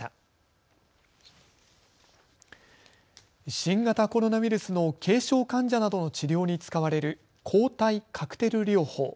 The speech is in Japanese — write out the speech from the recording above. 新型コロナウイルスの軽症患者などの治療に使われる抗体カクテル療法。